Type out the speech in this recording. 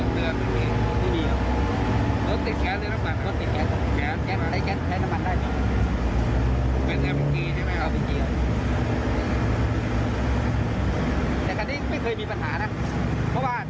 เพราะว่าได้ก็ตรวจทางแก๊สตรวจอะไรเขา